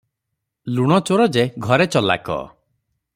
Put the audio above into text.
ଲୁଣଚୋର ଯେ ଘରେ ଘରେ ଚଲାକ ।